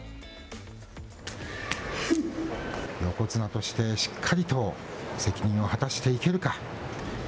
横綱としてしっかりと責任を果たしていけるか。